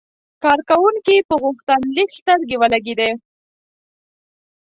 کارکونکي په غوښتنلیک سترګې ولګېدې.